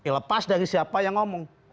lepas dari siapa yang ngomong